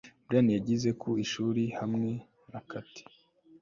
brian yagiye ku ishuri hamwe na kate